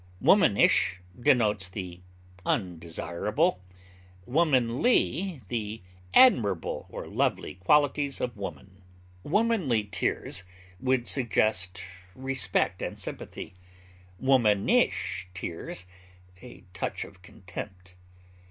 Womanish denotes the undesirable, womanly the admirable or lovely qualities of woman. Womanly tears would suggest respect and sympathy, womanish tears a touch of contempt.